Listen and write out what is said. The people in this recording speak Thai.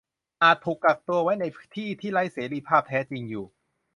อาจถูกกักตัวไว้ในที่ที่ไร้เสรีภาพแท้จริงอยู่